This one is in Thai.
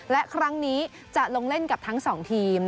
และครั้งนี้จะลงเล่นกับทั้ง๒ทีม